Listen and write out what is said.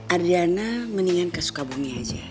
ardiana mendingan ke sukabumi aja